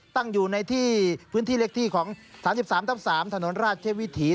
ตั้งอยู่ในพื้นที่เล็กที่ของ๓๓๓ถนนราชเชฟวิถี